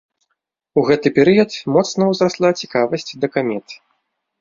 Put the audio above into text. У гэты перыяд моцна ўзрасла цікавасць да камет.